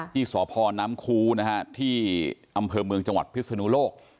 ที่สพน้ำคูนะฮะที่อำเภอเมืองจังหวัดพิศนุโลก